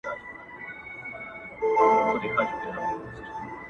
o وړه خبره سـوه بـبــره نـور بــــه نــــه درځـمه؛